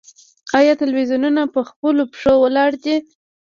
آیا تلویزیونونه په خپلو پښو ولاړ دي؟